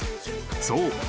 ［そう。